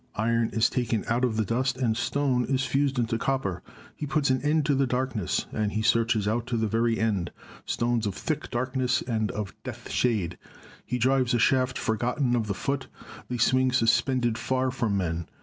Iron is taken out of the dust, and stone is fused into copper. He puts an end to the darkness; and he searches out to the very end, stones of thick darkness and of death shade. He drives a shaft forgotten of the foot, they swing suspended, far from men